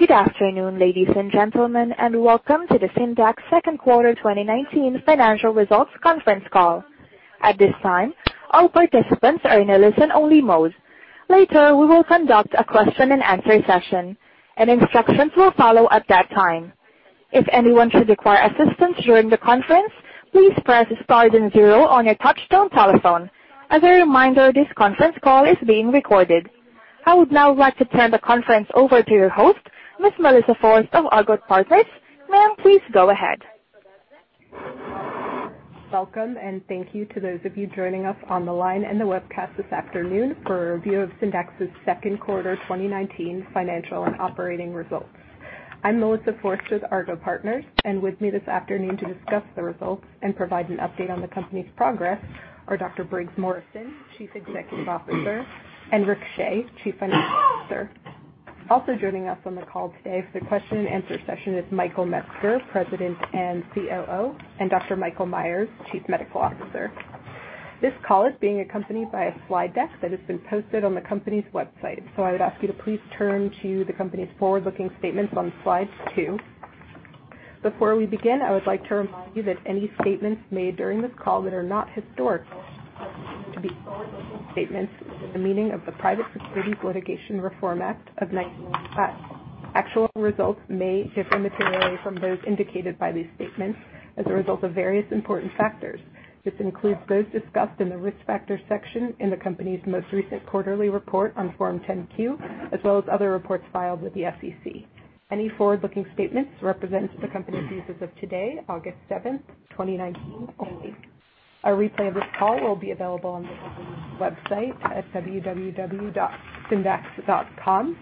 Good afternoon, ladies and gentlemen, and welcome to the Syndax second quarter 2019 financial results conference call. At this time, all participants are in a listen-only mode. Later, we will conduct a question and answer session, and instructions will follow at that time. If anyone should require assistance during the conference, please press star then zero on your touchtone telephone. As a reminder, this conference call is being recorded. I would now like to turn the conference over to your host, Ms. Melissa Forst of Argot Partners. Ma'am, please go ahead. Welcome and thank you to those of you joining us on the line and the webcast this afternoon for a review of Syndax's second quarter 2019 financial and operating results. I'm Melissa Forst with Argot Partners, and with me this afternoon to discuss the results and provide an update on the company's progress are Dr. Briggs Morrison, Chief Executive Officer, and Rick Shea, Chief Financial Officer. Also joining us on the call today for the question and answer session is Michael Metzger, President and COO, and Dr. Michael Meyers, Chief Medical Officer. This call is being accompanied by a slide deck that has been posted on the company's website. I would ask you to please turn to the company's forward-looking statements on slide two. Before we begin, I would like to remind you that any statements made during this call that are not historical could be forward-looking statements within the meaning of the Private Securities Litigation Reform Act of 1995. Actual results may differ materially from those indicated by these statements as a result of various important factors. This includes those discussed in the Risk Factors section in the company's most recent quarterly report on Form 10-Q, as well as other reports filed with the SEC. Any forward-looking statements represent the company's views as of today, August 7th, 2019, only. A replay of this call will be available on the company's website at www.syndax.com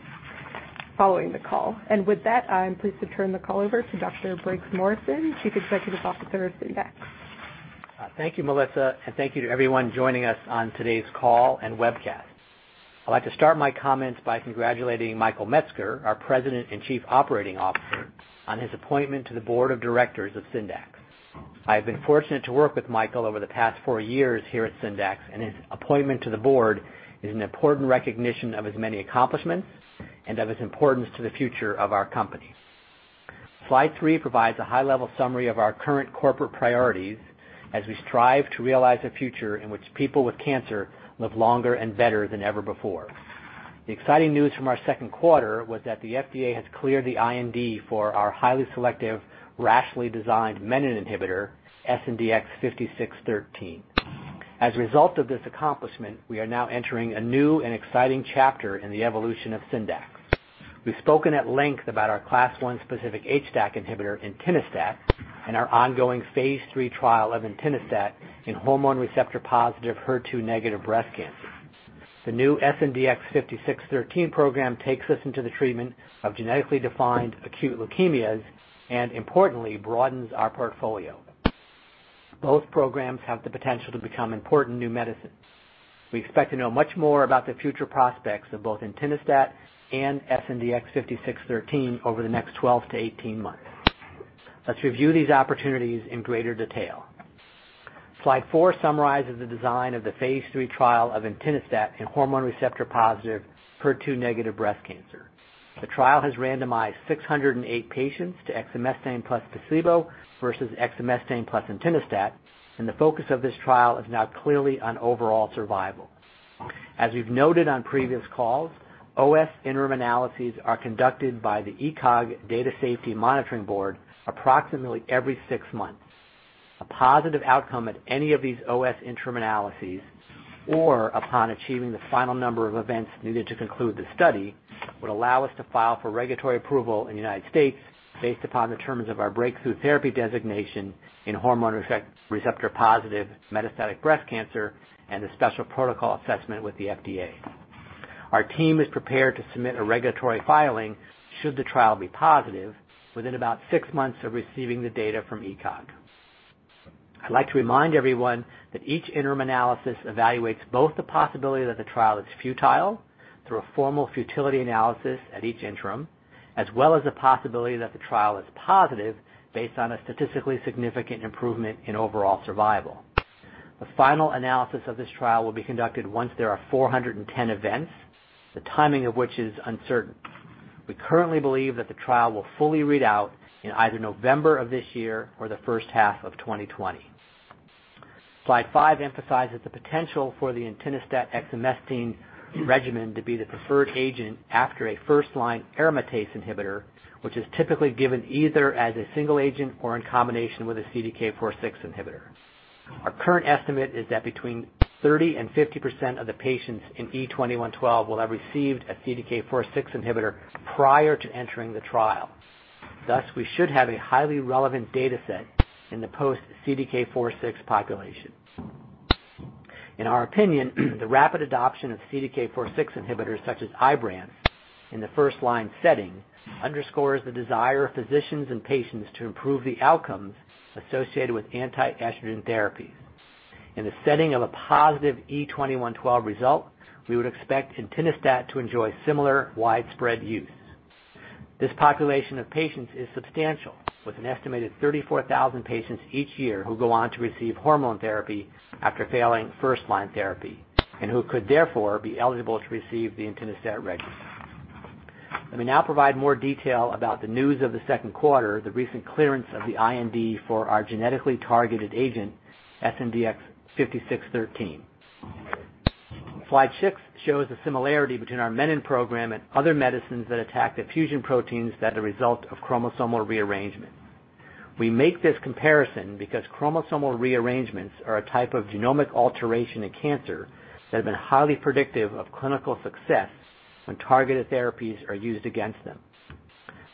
following the call. With that, I'm pleased to turn the call over to Dr. Briggs Morrison, Chief Executive Officer of Syndax. Thank you, Melissa, and thank you to everyone joining us on today's call and webcast. I would like to start my comments by congratulating Michael Metzger, our President and Chief Operating Officer, on his appointment to the Board of Directors of Syndax. I have been fortunate to work with Michael over the past four years here at Syndax, and his appointment to the board is an important recognition of his many accomplishments and of his importance to the future of our company. Slide three provides a high-level summary of our current corporate priorities as we strive to realize a future in which people with cancer live longer and better than ever before. The exciting news from our second quarter was that the FDA has cleared the IND for our highly selective, rationally designed menin inhibitor, SNDX-5613. As a result of this accomplishment, we are now entering a new and exciting chapter in the evolution of Syndax. We've spoken at length about our Class I-specific HDAC inhibitor, entinostat, and our ongoing phase III trial of entinostat in hormone receptor-positive, HER2-negative breast cancer. The new SNDX-5613 program takes us into the treatment of genetically defined acute leukemias and importantly broadens our portfolio. Both programs have the potential to become important new medicines. We expect to know much more about the future prospects of both entinostat and SNDX-5613 over the next 12 to 18 months. Let's review these opportunities in greater detail. Slide four summarizes the design of the phase III trial of entinostat in hormone receptor-positive, HER2-negative breast cancer. The trial has randomized 608 patients to exemestane plus placebo versus exemestane plus entinostat, and the focus of this trial is now clearly on overall survival. As we've noted on previous calls, OS interim analyses are conducted by the ECOG Data Safety Monitoring Board approximately every six months. A positive outcome at any of these OS interim analyses or upon achieving the final number of events needed to conclude the study, would allow us to file for regulatory approval in the United States based upon the terms of our breakthrough therapy designation in hormone receptor-positive metastatic breast cancer and the special protocol assessment with the FDA. Our team is prepared to submit a regulatory filing should the trial be positive within about six months of receiving the data from ECOG. I'd like to remind everyone that each interim analysis evaluates both the possibility that the trial is futile through a formal futility analysis at each interim, as well as the possibility that the trial is positive based on a statistically significant improvement in overall survival. The final analysis of this trial will be conducted once there are 410 events, the timing of which is uncertain. We currently believe that the trial will fully read out in either November of this year or the first half of 2020. Slide five emphasizes the potential for the entinostat/exemestane regimen to be the preferred agent after a first-line aromatase inhibitor, which is typically given either as a single agent or in combination with a CDK4/6 inhibitor. Our current estimate is that between 30% and 50% of the patients in E2112 will have received a CDK4/6 inhibitor prior to entering the trial. Thus, we should have a highly relevant data set in the post-CDK4/6 population. In our opinion, the rapid adoption of CDK4/6 inhibitors such as IBRANCE in the first-line setting underscores the desire of physicians and patients to improve the outcomes associated with anti-estrogen therapies. In the setting of a positive E2112 result, we would expect entinostat to enjoy similar widespread use. This population of patients is substantial, with an estimated 34,000 patients each year who go on to receive hormone therapy after failing first-line therapy. Who could therefore be eligible to receive the entinostat regimen. Let me now provide more detail about the news of the second quarter, the recent clearance of the IND for our genetically targeted agent, SNDX-5613. Slide six shows the similarity between our Menin program and other medicines that attack the fusion proteins that are the result of chromosomal rearrangement. We make this comparison because chromosomal rearrangements are a type of genomic alteration in cancer that have been highly predictive of clinical success when targeted therapies are used against them.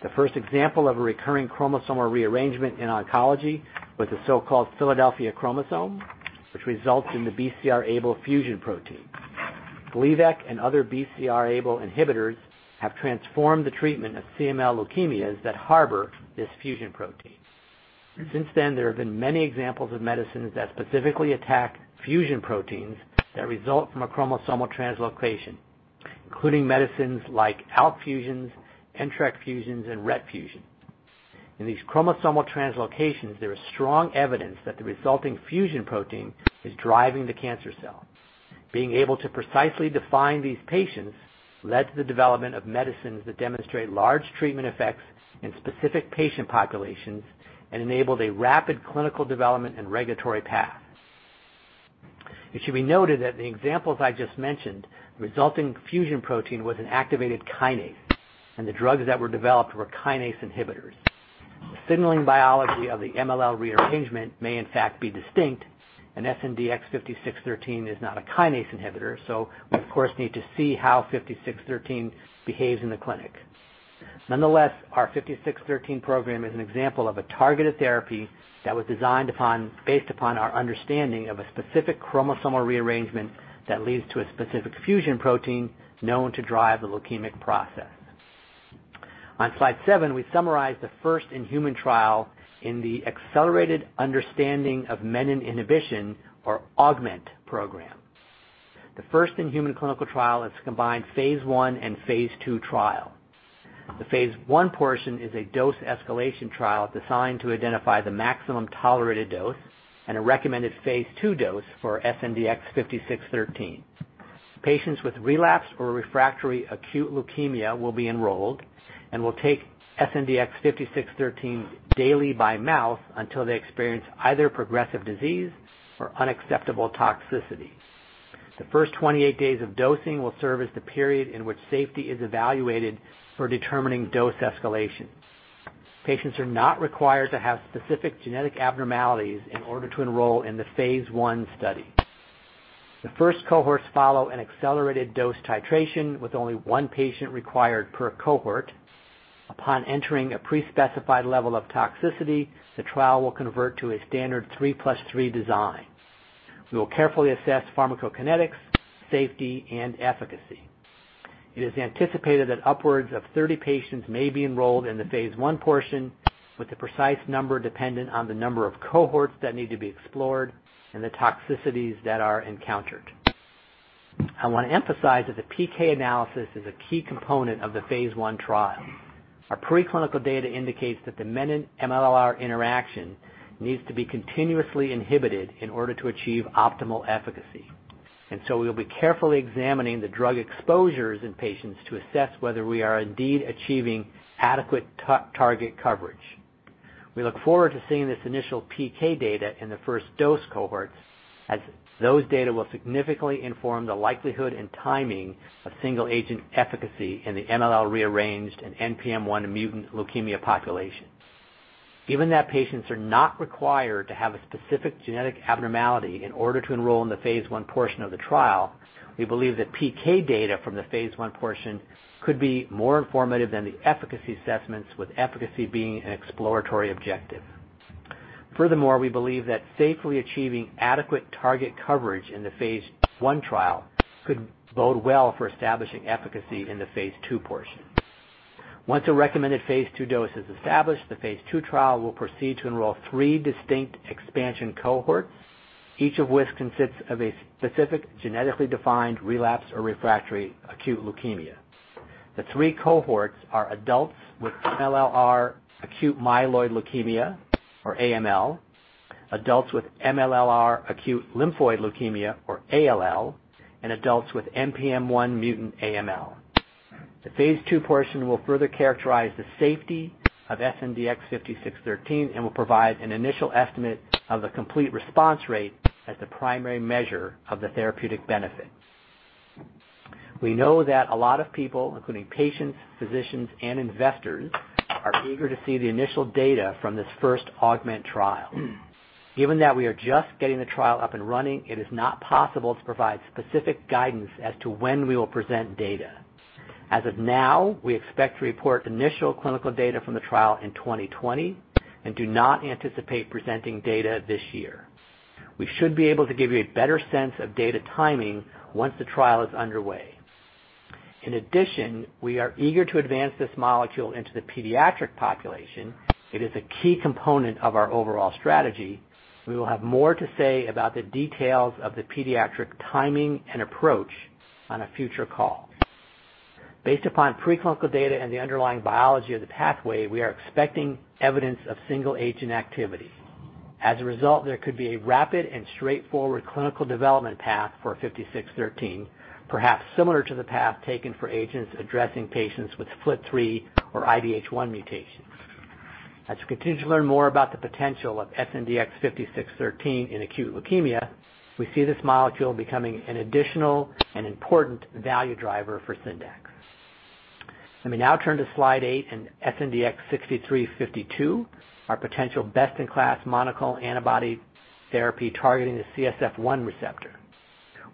The first example of a recurring chromosomal rearrangement in oncology was the so-called Philadelphia chromosome, which results in the BCR-ABL fusion protein. Gleevec and other BCR-ABL inhibitors have transformed the treatment of CML leukemias that harbor this fusion protein. There have been many examples of medicines that specifically attack fusion proteins that result from a chromosomal translocation, including medicines like ALK fusions, NTRK fusions, and RET fusions. In these chromosomal translocations, there is strong evidence that the resulting fusion protein is driving the cancer cell. Being able to precisely define these patients led to the development of medicines that demonstrate large treatment effects in specific patient populations and enabled a rapid clinical development and regulatory path. It should be noted that in the examples I just mentioned, the resulting fusion protein was an activated kinase, and the drugs that were developed were kinase inhibitors. The signaling biology of the MLL rearrangement may in fact be distinct, and SNDX-5613 is not a kinase inhibitor, so we of course need to see how 5613 behaves in the clinic. Nonetheless, our 5613 program is an example of a targeted therapy that was designed based upon our understanding of a specific chromosomal rearrangement that leads to a specific fusion protein known to drive the leukemic process. On slide seven, we summarize the first-in-human trial in the Accelerated Understanding of Menin Inhibition, or AUGMENT program. The first-in-human clinical trial is a combined Phase I and Phase II trial. The Phase I portion is a dose escalation trial designed to identify the maximum tolerated dose and a recommended Phase II dose for SNDX-5613. Patients with relapsed or refractory acute leukemia will be enrolled and will take SNDX-5613 daily by mouth until they experience either progressive disease or unacceptable toxicity. The first 28 days of dosing will serve as the period in which safety is evaluated for determining dose escalation. Patients are not required to have specific genetic abnormalities in order to enroll in the phase I study. The first cohorts follow an accelerated dose titration with only one patient required per cohort. Upon entering a pre-specified level of toxicity, the trial will convert to a standard 3+3 design. We will carefully assess pharmacokinetics, safety, and efficacy. It is anticipated that upwards of 30 patients may be enrolled in the phase I portion with the precise number dependent on the number of cohorts that need to be explored and the toxicities that are encountered. I want to emphasize that the PK analysis is a key component of the phase I trial. Our pre-clinical data indicates that the Menin-MLLr interaction needs to be continuously inhibited in order to achieve optimal efficacy. We will be carefully examining the drug exposures in patients to assess whether we are indeed achieving adequate target coverage. We look forward to seeing this initial PK data in the first dose cohorts, as those data will significantly inform the likelihood and timing of single-agent efficacy in the MLL rearranged and NPM1 mutant leukemia population. Given that patients are not required to have a specific genetic abnormality in order to enroll in the phase I portion of the trial, we believe that PK data from the phase I portion could be more informative than the efficacy assessments, with efficacy being an exploratory objective. Furthermore, we believe that safely achieving adequate target coverage in the phase I trial could bode well for establishing efficacy in the phase II portion. Once a recommended phase II dose is established, the phase II trial will proceed to enroll three distinct expansion cohorts, each of which consists of a specific genetically defined relapse or refractory acute leukemia. The three cohorts are adults with MLLr acute myeloid leukemia, or AML, adults with MLLr acute lymphoid leukemia, or ALL, and adults with NPM1 mutant AML. The phase II portion will further characterize the safety of SNDX-5613 and will provide an initial estimate of the complete response rate as the primary measure of the therapeutic benefit. We know that a lot of people, including patients, physicians, and investors, are eager to see the initial data from this first AUGMENT trial. Given that we are just getting the trial up and running, it is not possible to provide specific guidance as to when we will present data. As of now, we expect to report initial clinical data from the trial in 2020 and do not anticipate presenting data this year. We should be able to give you a better sense of data timing once the trial is underway. In addition, we are eager to advance this molecule into the pediatric population. It is a key component of our overall strategy. We will have more to say about the details of the pediatric timing and approach on a future call. Based upon preclinical data and the underlying biology of the pathway, we are expecting evidence of single-agent activity. As a result, there could be a rapid and straightforward clinical development path for SNDX-5613, perhaps similar to the path taken for agents addressing patients with FLT3 or IDH1 mutations. As we continue to learn more about the potential of SNDX-5613 in acute leukemia, we see this molecule becoming an additional and important value driver for Syndax. Let me now turn to slide eight and SNDX-6352, our potential best-in-class monoclonal antibody therapy targeting the CSF1 receptor.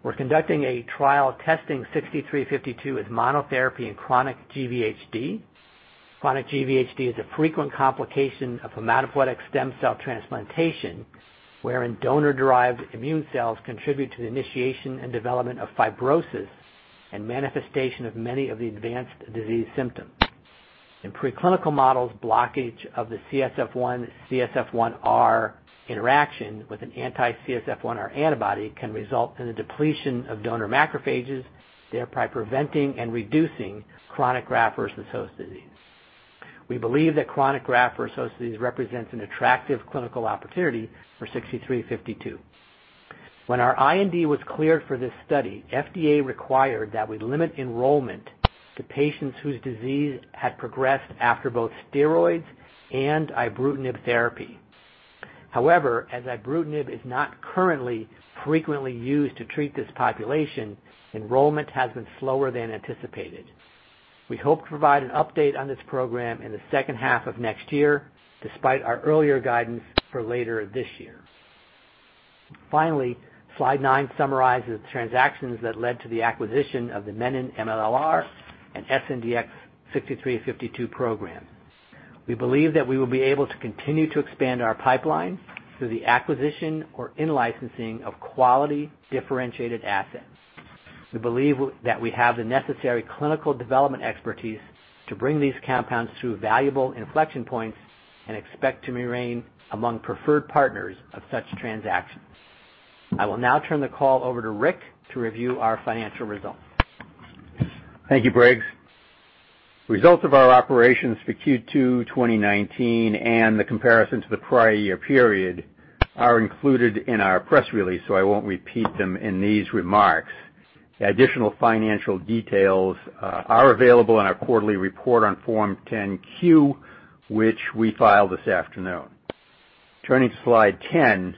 We're conducting a trial testing 6352 as monotherapy in chronic GVHD. Chronic GVHD is a frequent complication of hematopoietic stem cell transplantation, wherein donor-derived immune cells contribute to the initiation and development of fibrosis and manifestation of many of the advanced disease symptoms. In preclinical models, blockage of the CSF1/CSF1R interaction with an anti-CSF1R antibody can result in the depletion of donor macrophages, thereby preventing and reducing chronic graft-versus-host disease. We believe that chronic graft-versus-host disease represents an attractive clinical opportunity for 6352. When our IND was cleared for this study, FDA required that we limit enrollment to patients whose disease had progressed after both steroids and ibrutinib therapy. However, as ibrutinib is not currently frequently used to treat this population, enrollment has been slower than anticipated. We hope to provide an update on this program in the second half of next year, despite our earlier guidance for later this year. Finally, slide nine summarizes transactions that led to the acquisition of the Menin-MLL and SNDX-6352 program. We believe that we will be able to continue to expand our pipeline through the acquisition or in-licensing of quality differentiated assets. We believe that we have the necessary clinical development expertise to bring these compounds through valuable inflection points and expect to remain among preferred partners of such transactions. I will now turn the call over to Rick to review our financial results. Thank you, Briggs. Results of our operations for Q2 2019 and the comparison to the prior year period are included in our press release, so I won't repeat them in these remarks. Additional financial details are available in our quarterly report on Form 10-Q, which we filed this afternoon. Turning to slide 10,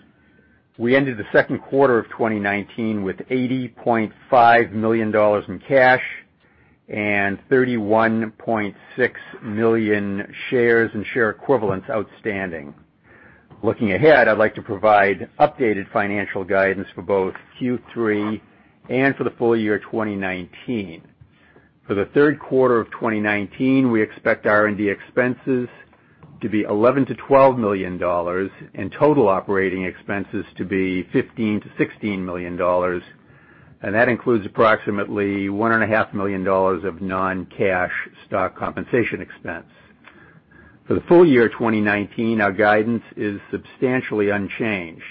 we ended the second quarter of 2019 with $80.5 million in cash and 31.6 million shares and share equivalents outstanding. Looking ahead, I'd like to provide updated financial guidance for both Q3 and for the full year 2019. For the third quarter of 2019, we expect R&D expenses to be $11 million-$12 million and total operating expenses to be $15 million-$16 million, and that includes approximately $1.5 million of non-cash stock compensation expense. For the full year 2019, our guidance is substantially unchanged.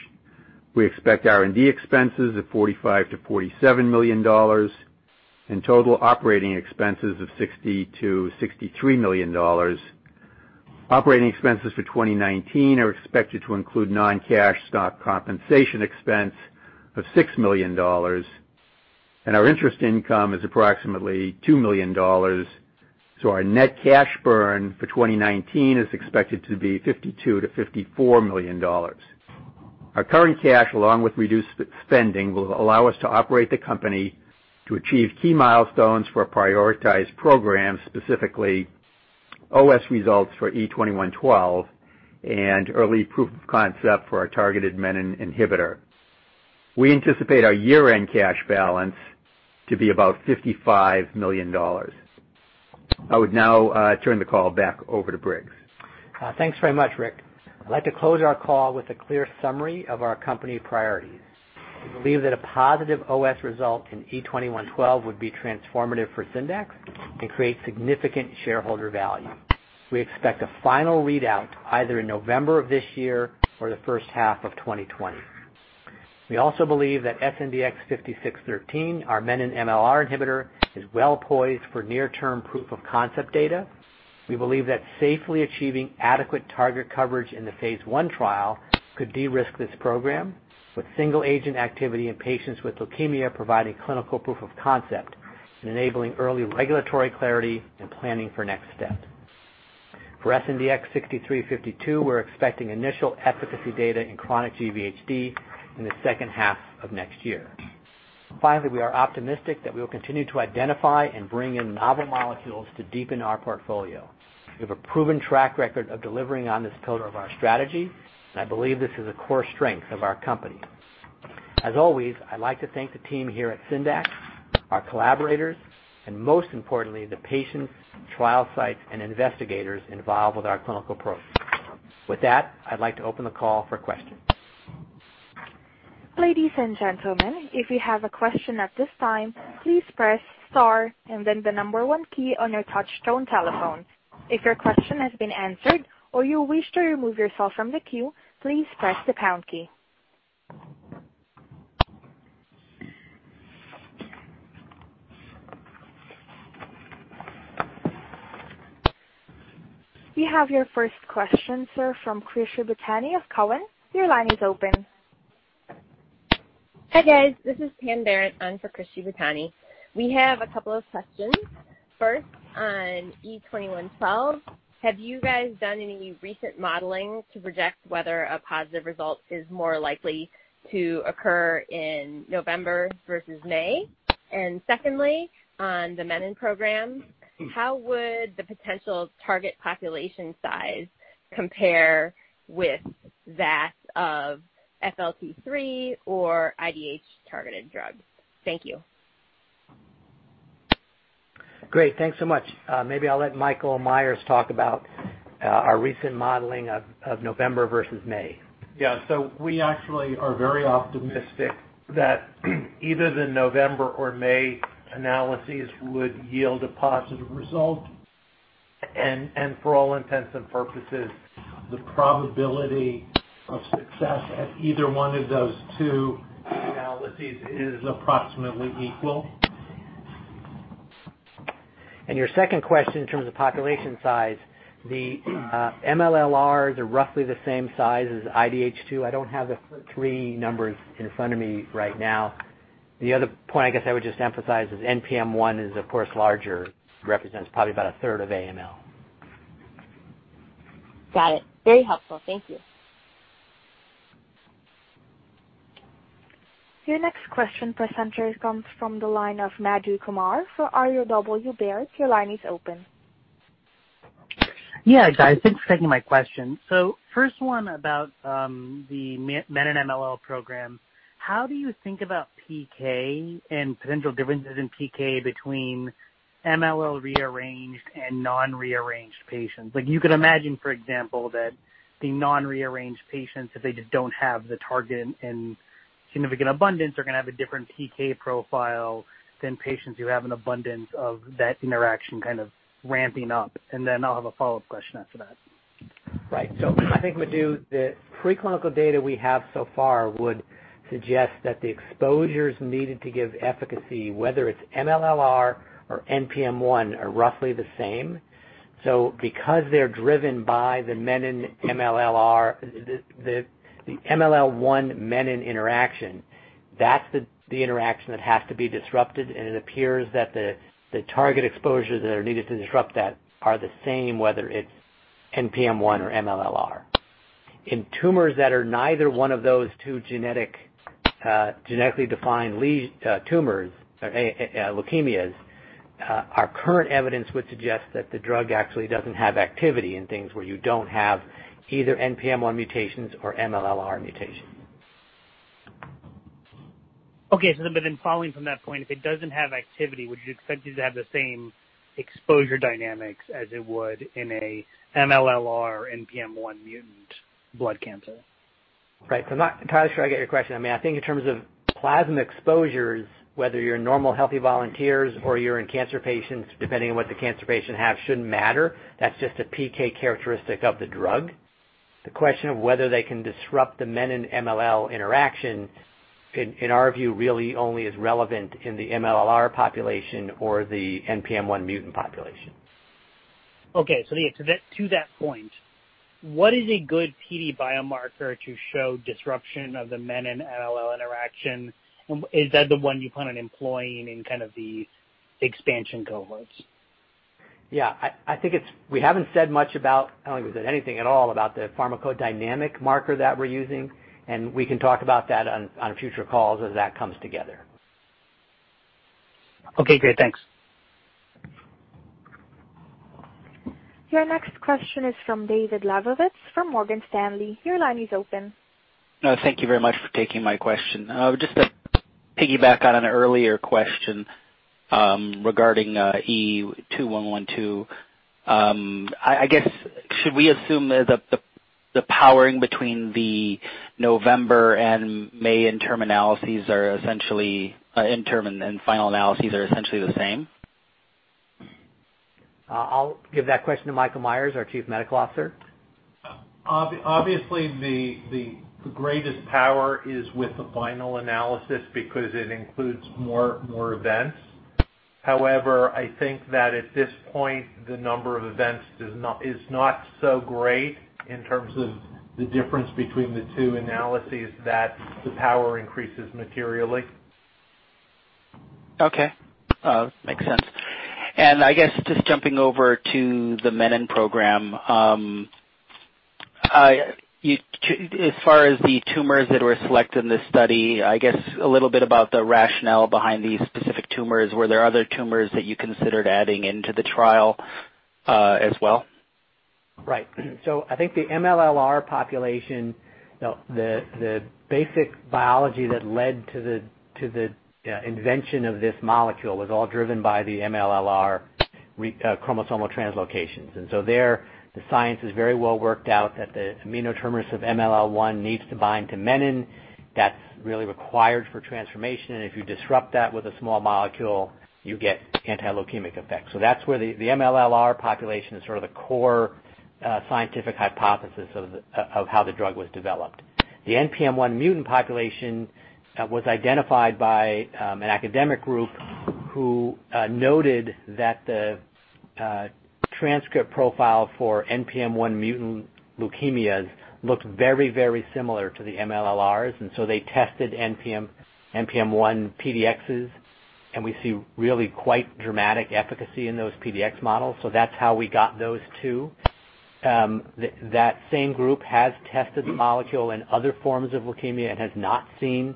We expect R&D expenses of $45 million-$47 million and total operating expenses of $60 million-$63 million. Operating expenses for 2019 are expected to include non-cash stock compensation expense of $6 million, and our interest income is approximately $2 million, so our net cash burn for 2019 is expected to be $52 million-$54 million. Our current cash, along with reduced spending, will allow us to operate the company to achieve key milestones for prioritized programs, specifically OS results for E2112 and early proof of concept for our targeted Menin inhibitor. We anticipate our year-end cash balance to be about $55 million. I would now turn the call back over to Briggs. Thanks very much, Rick. I'd like to close our call with a clear summary of our company priorities. We believe that a positive OS result in E2112 would be transformative for Syndax and create significant shareholder value. We expect a final readout either in November of this year or the first half of 2020. We also believe that SNDX-5613, our Menin-MLL inhibitor, is well-poised for near-term proof-of-concept data. We believe that safely achieving adequate target coverage in the phase I trial could de-risk this program, with single-agent activity in patients with leukemia providing clinical proof of concept and enabling early regulatory clarity and planning for next steps. For SNDX-6352, we're expecting initial efficacy data in chronic GVHD in the second half of next year. We are optimistic that we will continue to identify and bring in novel molecules to deepen our portfolio. We have a proven track record of delivering on this pillar of our strategy. I believe this is a core strength of our company. As always, I'd like to thank the team here at Syndax, our collaborators, and most importantly, the patients, trial sites, and investigators involved with our clinical programs. With that, I'd like to open the call for questions. Ladies and gentlemen, if you have a question at this time, please press star and then the number 1 key on your touch-tone telephone. If your question has been answered or you wish to remove yourself from the queue, please press the pound key. We have your first question, sir from Chris Shibutani of Cowen. Your line is open. Hi, guys. This is Pamela Barrett on for Chris Shibutani. We have a couple of questions. First, on E2112, have you guys done any recent modeling to project whether a positive result is more likely to occur in November versus May? Secondly, on the Menin program, how would the potential target population size compare with that of FLT3 or IDH-targeted drugs? Thank you. Great. Thanks so much. Maybe I'll let Michael Meyers talk about our recent modeling of November versus May. Yeah. We actually are very optimistic that either the November or May analyses would yield a positive result, and for all intents and purposes, the probability of success at either one of those two analyses is approximately equal. Your second question in terms of population size, the MLLrs are roughly the same size as IDH2. I don't have the three numbers in front of me right now. The other point I guess I would just emphasize is NPM1 is, of course, larger, represents probably about a third of AML. Got it. Very helpful. Thank you. Your next question, presenter, comes from the line of Madhu Kumar for RW Baird. Your line is open. Yeah, guys, thanks for taking my question. First one about the Menin-MLL program. How do you think about PK and potential differences in PK between MLL rearranged and non-rearranged patients? You could imagine, for example, that the non-rearranged patients, if they just don't have the target in significant abundance, are going to have a different PK profile than patients who have an abundance of that interaction kind of ramping up. Then I'll have a follow-up question after that. Right. I think, Madhu, the preclinical data we have so far would suggest that the exposures needed to give efficacy, whether it's MLLr or NPM1, are roughly the same. Because they're driven by the MLL1 Menin interaction, that's the interaction that has to be disrupted, and it appears that the target exposures that are needed to disrupt that are the same, whether it's NPM1 or MLLr. In tumors that are neither one of those two genetically defined leukemias, our current evidence would suggest that the drug actually doesn't have activity in things where you don't have either NPM1 mutations or MLLr mutations. Following from that point, if it doesn't have activity, would you expect it to have the same exposure dynamics as it would in a MLLr NPM1 mutant blood cancer? Right. I'm not entirely sure I get your question. I think in terms of plasma exposures, whether you're in normal healthy volunteers or you're in cancer patients, depending on what the cancer patient have, shouldn't matter. That's just a PK characteristic of the drug. The question of whether they can disrupt the Menin-MLL interaction, in our view, really only is relevant in the MLLr population or the NPM1 mutant population. Okay. To that point, what is a good PD biomarker to show disruption of the menin-MLL interaction, and is that the one you plan on employing in the expansion cohorts? Yeah, we haven't said much about, I don't think we've said anything at all about the pharmacodynamic marker that we're using. We can talk about that on future calls as that comes together. Okay, great. Thanks. Your next question is from David Lebovitz from Morgan Stanley. Your line is open. Thank you very much for taking my question. Just to piggyback on an earlier question, regarding E2112, I guess, should we assume that the powering between the November and May interim and final analyses are essentially the same? I'll give that question to Michael Meyers, our Chief Medical Officer. Obviously, the greatest power is with the final analysis because it includes more events. I think that at this point, the number of events is not so great in terms of the difference between the two analyses that the power increases materially. Okay. Makes sense. I guess just jumping over to the MENIN program, as far as the tumors that were selected in the study, I guess a little bit about the rationale behind these specific tumors. Were there other tumors that you considered adding into the trial as well? Right. I think the MLLr population, the basic biology that led to the invention of this molecule was all driven by the MLLr chromosomal translocations. There, the science is very well worked out that the amino terminus of MLL1 needs to bind to Menin. That's really required for transformation, and if you disrupt that with a small molecule, you get anti-leukemic effects. That's where the MLLr population is sort of the core scientific hypothesis of how the drug was developed. The NPM1 mutant population was identified by an academic group who noted that the transcript profile for NPM1 mutant leukemias looked very similar to the MLLr, and so they tested NPM1 PDXs, and we see really quite dramatic efficacy in those PDX models. That's how we got those two. That same group has tested the molecule in other forms of leukemia and has not seen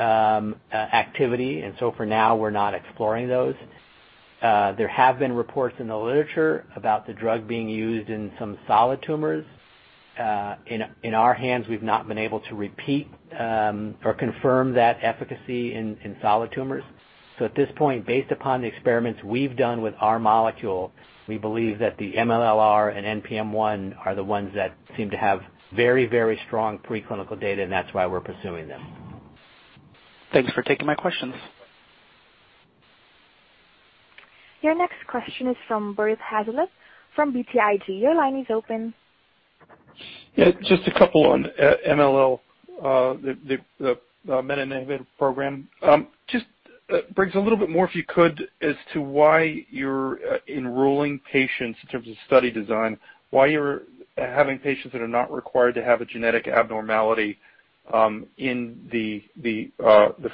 activity, and so for now, we're not exploring those. There have been reports in the literature about the drug being used in some solid tumors. In our hands, we've not been able to repeat or confirm that efficacy in solid tumors. At this point, based upon the experiments we've done with our molecule, we believe that the MLLr and NPM1 are the ones that seem to have very strong preclinical data, and that's why we're pursuing them. Thanks for taking my questions. Your next question is from Bert Hazlett from BTIG. Your line is open. A couple on MLL, the menin inhibitor program. Bert, a little bit more, if you could, as to why you're enrolling patients in terms of study design, why you're having patients that are not required to have a genetic abnormality in the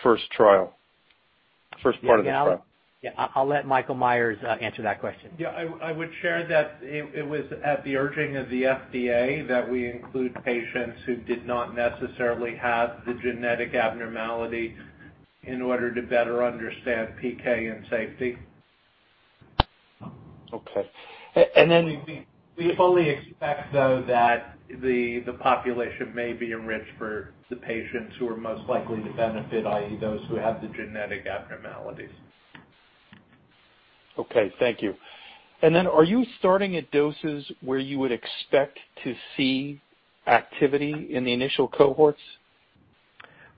first part of the trial? Yeah. I'll let Michael Meyers answer that question. Yeah, I would share that it was at the urging of the FDA that we include patients who did not necessarily have the genetic abnormality in order to better understand PK and safety. Okay. We fully expect, though, that the population may be enriched for the patients who are most likely to benefit, i.e., those who have the genetic abnormalities. Okay. Thank you. Are you starting at doses where you would expect to see activity in the initial cohorts?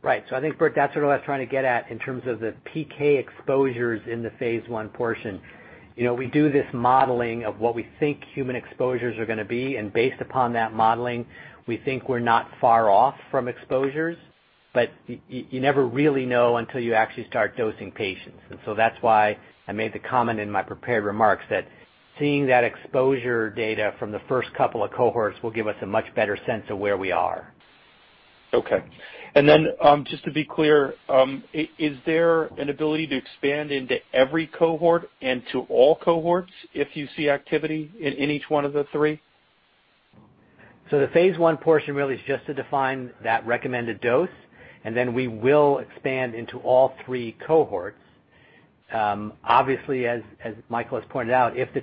I think, Bert, that's what I was trying to get at in terms of the PK exposures in the phase I portion. We do this modeling of what we think human exposures are going to be, and based upon that modeling, we think we're not far off from exposures, but you never really know until you actually start dosing patients. That's why I made the comment in my prepared remarks that seeing that exposure data from the first couple of cohorts will give us a much better sense of where we are. Okay. Just to be clear, is there an ability to expand into every cohort and to all cohorts if you see activity in each one of the three? The phase I portion really is just to define that recommended dose, and then we will expand into all three cohorts. Obviously, as Michael has pointed out, if the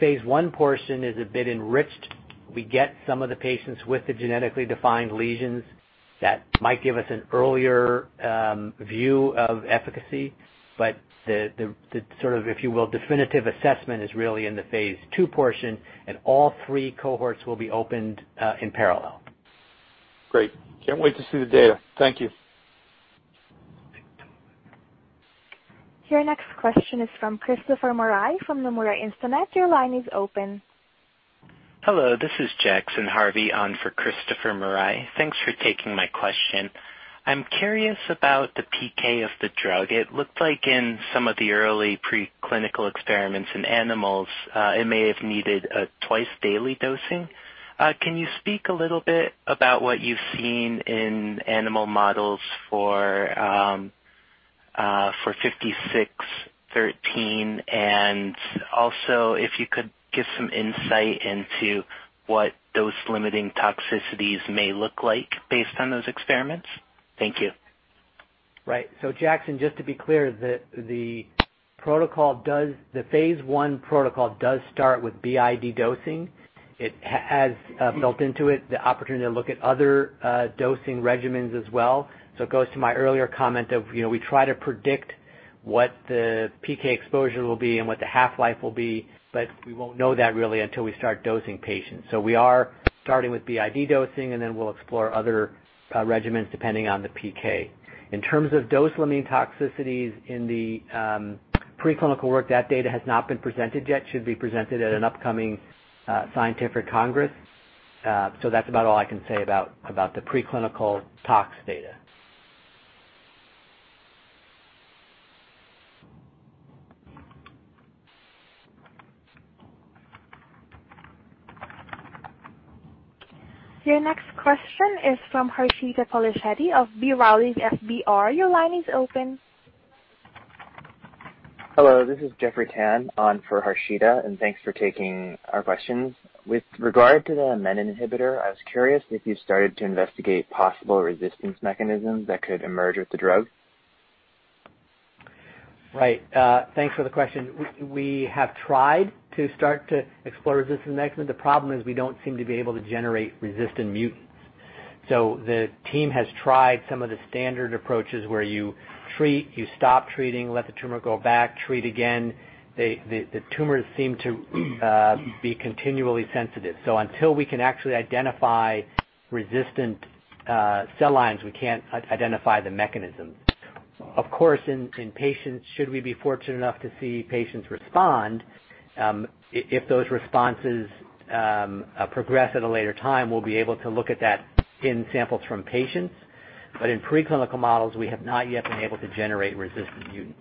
phase I portion is a bit enriched, we get some of the patients with the genetically defined lesions. That might give us an earlier view of efficacy. The definitive assessment is really in the phase II portion, and all three cohorts will be opened in parallel. Great. Can't wait to see the data. Thank you. Your next question is from Christopher Marai from Nomura Instinet. Your line is open. Hello, this is Jackson Harvey on for Christopher Marai. Thanks for taking my question. I'm curious about the PK of the drug. It looked like in some of the early pre-clinical experiments in animals, it may have needed a twice-daily dosing. Can you speak a little bit about what you've seen in animal models for 5613, and also if you could give some insight into what those limiting toxicities may look like based on those experiments? Thank you. Right. Jackson, just to be clear, the phase I protocol does start with BID dosing. It has built into it the opportunity to look at other dosing regimens as well. It goes to my earlier comment of we try to predict what the PK exposure will be and what the half-life will be, but we won't know that really until we start dosing patients. We are starting with BID dosing, and then we'll explore other regimens depending on the PK. In terms of dose limiting toxicities in the pre-clinical work, that data has not been presented yet. Should be presented at an upcoming scientific congress. That's about all I can say about the pre-clinical tox data. Your next question is from Harshita Polishetty of B. Riley FBR. Your line is open. Hello, this is Jeff Tan on for Harshita. Thanks for taking our questions. With regard to the Menin inhibitor, I was curious if you started to investigate possible resistance mechanisms that could emerge with the drug. Right. Thanks for the question. We have tried to start to explore resistance mechanisms. The problem is we don't seem to be able to generate resistant mutants. The team has tried some of the standard approaches where you treat, you stop treating, let the tumor go back, treat again. The tumors seem to be continually sensitive. Until we can actually identify resistant cell lines, we can't identify the mechanisms. Of course, in patients, should we be fortunate enough to see patients respond, if those responses progress at a later time, we'll be able to look at that in samples from patients. In pre-clinical models, we have not yet been able to generate resistant mutants.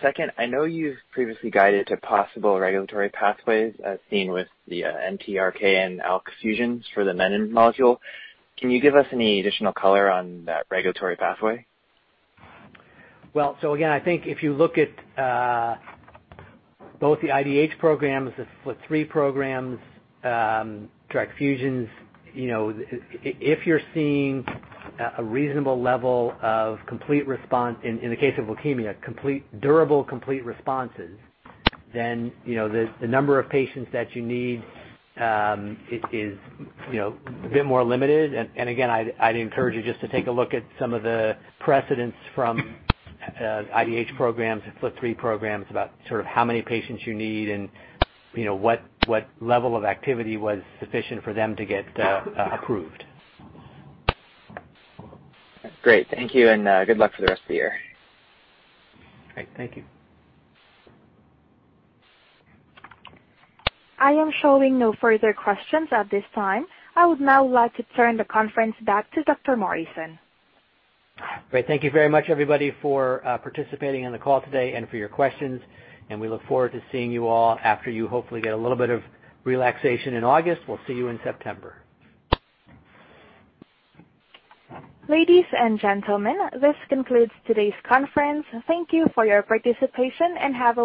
Second, I know you've previously guided to possible regulatory pathways as seen with the NTRK and ALK fusions for the Menin module. Can you give us any additional color on that regulatory pathway? Well, again, I think if you look at both the IDH programs, the FLT3 programs, TRK fusions, if you're seeing a reasonable level of, in the case of leukemia, durable, complete responses, the number of patients that you need is a bit more limited. Again, I'd encourage you just to take a look at some of the precedents from IDH programs and FLT3 programs about how many patients you need and what level of activity was sufficient for them to get approved. Great. Thank you, and good luck for the rest of the year. Great. Thank you. I am showing no further questions at this time. I would now like to turn the conference back to Dr. Morrison. Great. Thank you very much, everybody, for participating in the call today and for your questions, and we look forward to seeing you all after you hopefully get a little bit of relaxation in August. We'll see you in September. Ladies and gentlemen, this concludes today's conference. Thank you for your participation, and have a wonderful day.